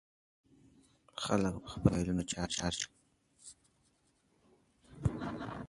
خلک به خپل موبایلونه چارج کړي.